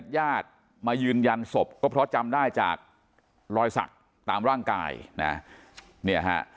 ญาติมายืนยันศพก็เพราะจำได้จากรอยสักตามร่างกายนะเนี่ยฮะ